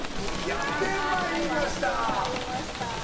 やって参りました。